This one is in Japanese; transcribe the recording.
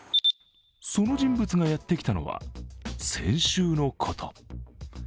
その人物がやってきたのは、先週のこと。